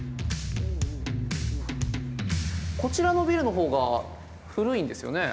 こちらのビルの方が古いんですよね。